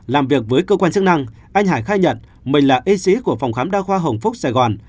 làm việc với cơ quan chức năng anh hải khai nhận mình là y sĩ của phòng khám đa khoa hồng phúc sài gòn